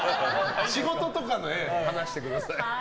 仕事とかの縁を話してください。